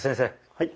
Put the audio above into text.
はい。